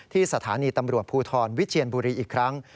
สถานีตำรวจภูทรวิเชียนบุรีอีกครั้ง